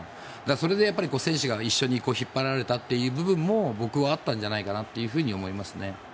それで選手が一緒に引っ張られた部分も僕はあったんじゃないかと思いますね。